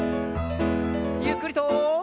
ゆっくりと。